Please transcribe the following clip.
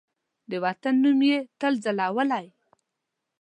د وطن نوم یې تل ځلولی